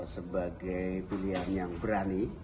sebagai pilihan yang berani